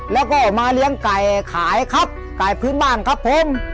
แล้วก็มาเลี้ยงไก่ขายครับไก่พื้นบ้านครับผม